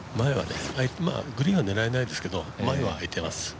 グリーンは狙えないですけど、前はあいてます。